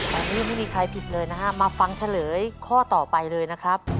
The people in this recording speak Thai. ตอนนี้ยังไม่มีใครผิดเลยนะฮะมาฟังเฉลยข้อต่อไปเลยนะครับ